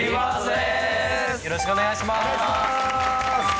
よろしくお願いします。